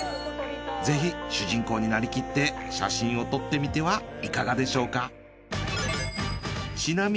ぜひ主人公になりきって写真を撮ってみてはいかがでしょうか？